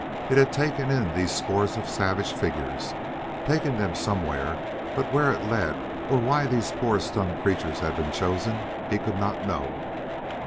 It had taken in these scores of savage figures, taken them somewhere; but where it led or why these poor stunned creatures had been chosen he could not know.